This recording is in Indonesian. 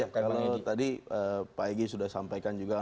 ya kalau tadi pak egy sudah sampaikan juga